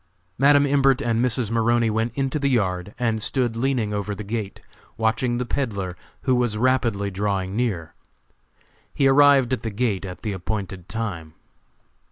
Madam Imbert and Mrs. Maroney went into the yard and stood leaning over the gate, watching the peddler, who was rapidly drawing near. He arrived at the gate at the appointed time.